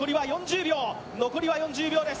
残りは４０秒です。